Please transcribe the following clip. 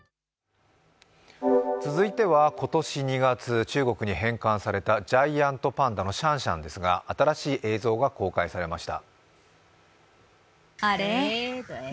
続いては今年２月、中国に返還されたジャイアントパンダのシャンシャンですが新しい映像が公開されました。